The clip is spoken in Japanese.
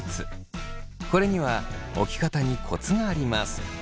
これには置き方にコツがあります。